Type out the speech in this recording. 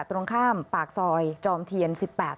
ตรงข้ามปากซอยจอมเทียน๑๘